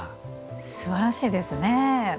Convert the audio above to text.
すばらしいですね。